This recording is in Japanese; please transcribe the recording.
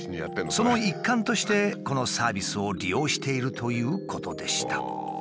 その一環としてこのサービスを利用しているということでした。